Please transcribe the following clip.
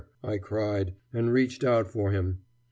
I cried, and reached out for him.